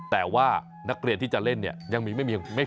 แต่ว่านักเรียนที่จะเล่นยังไม่มีเม็ดพอ